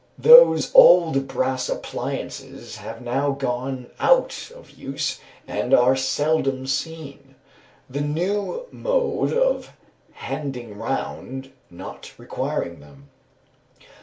These old brass appliances have now gone out of use and are seldom seen, the new mode of "handing round" not requiring them.